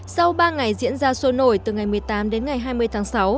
sau ba ngày diễn ra sôi nổi từ ngày một mươi tám đến ngày hai mươi tháng sáu